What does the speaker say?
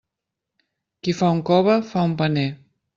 Qui fa un cove, fa un paner.